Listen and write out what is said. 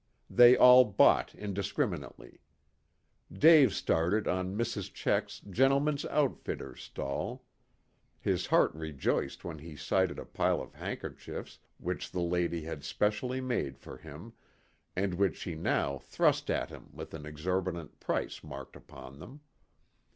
They all bought indiscriminately. Dave started on Mrs. Checks' "gentlemen's outfitters" stall. His heart rejoiced when he sighted a pile of handkerchiefs which the lady had specially made for him, and which she now thrust at him with an exorbitant price marked upon them.